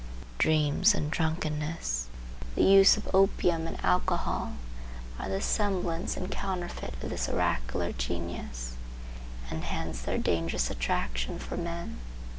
Dreams and drunkenness, the use of opium and alcohol are the semblance and counterfeit of this oracular genius, and hence their dangerous attraction for men.